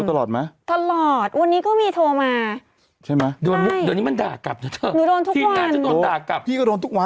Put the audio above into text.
โทรตลอดมั้ยทศค่ะวันนี้ก็มีโทรมา